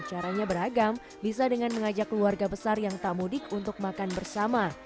caranya beragam bisa dengan mengajak keluarga besar yang tak mudik untuk makan bersama